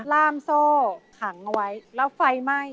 รอมโซ่ขังไว้แล้วไฟไหม้